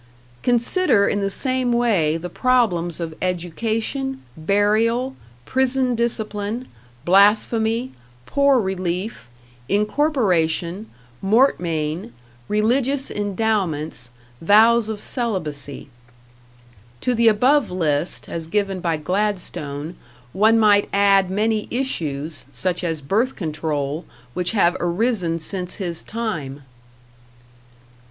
Consider, in the same way, the problems of education, burial, prison discipline, blasphemy, poor relief, incorporation, mortmain, religious endowments, vows of celibacy. To the above list, as given by Gladstone, one might add many issues, such as birth control, which have arisen since his time.